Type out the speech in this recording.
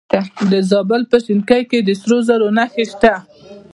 د زابل په شنکۍ کې د سرو زرو نښې شته.